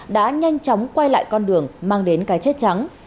đã nhanh chóng quay lại con đường mang đến cái chết trắng